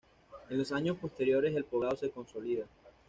En los años posteriores el poblado se consolida.